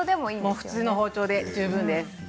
普通の包丁で十分です。